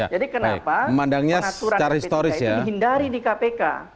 jadi kenapa penaturan sp tiga ini dihindari di kpk